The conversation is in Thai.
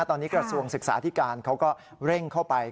ตอนนี้กระทรวงศึกษาธิการเขาก็เร่งเข้าไป